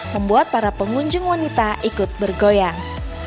membuat para pengunjung wanita ikut bergoyang